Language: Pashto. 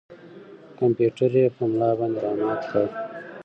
کمپیوټر یې په ملا باندې را مات کړ.